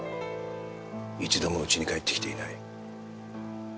一度もうちに帰って来ていない。